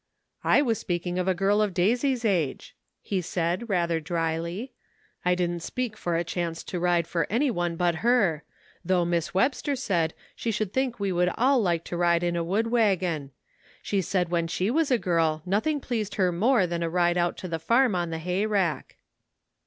"I was speaking of a girl of Daisy's age," he said, rather dryly; "I didn't speak for a chance to ride for any one but her, though Miss Webster said she should think we would all like to ride in a wood wagon. She said when she was a girl nothing pleased her more than a ride out to the farm on the hay rack."